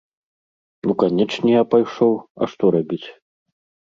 Ну канечне, я пайшоў, а што рабіць.